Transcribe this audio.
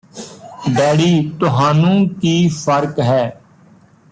daddy ਤੁਹਾਨੂੰ ਕੀ ਫ਼ਰਕ ਹੈ